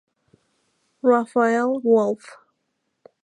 Raphael Wolf